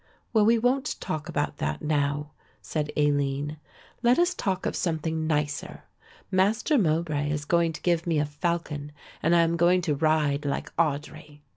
"Well, we won't talk about that now," said Aline; "let us talk of something nicer. Master Mowbray is going to give me a falcon and I am going to ride like Audry."